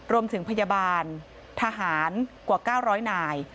โรงพยาบาลทหารกว่า๙๐๐นาย